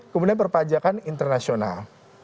kemudian perpajakan internasional